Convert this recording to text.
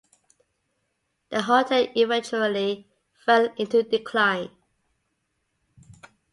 The hotel eventually fell into decline.